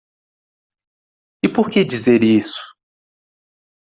E por que dizer isso?